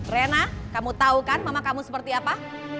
rena kamu tahu kan mama kamu seperti apa